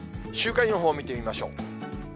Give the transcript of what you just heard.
週間予報を見てみましょう。